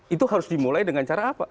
itu harus dimulai dengan cara apa